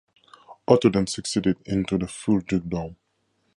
Otto then succeeded into the full dukedom.